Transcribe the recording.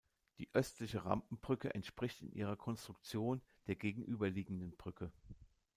Die östliche Rampenbrücke entspricht in ihrer Konstruktion der gegenüber liegenden Brücke.